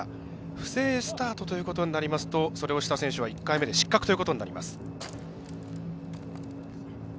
不正スタートということになりますとそれをした選手は１回目で失格ということになります。